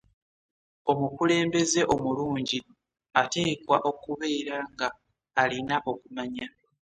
omukulembeze omulungi atekwa okubeera nga alina okumanya